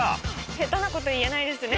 下手なこと言えないですね。